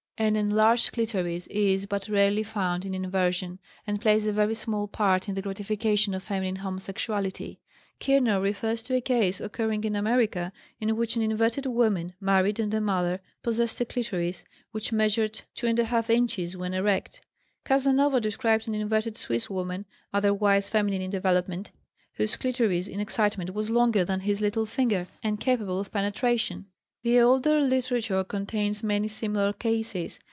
" An enlarged clitoris is but rarely found in inversion and plays a very small part in the gratification of feminine homosexuality. Kiernan refers; to a case, occurring in America, in which an inverted woman, married and a mother, possessed a clitoris which measured 2½ inches when erect. Casanova described an inverted Swiss, woman, otherwise feminine in development, whose clitoris in excitement was longer than his little finger, and capable of penetration. The older literature contains many similar cases.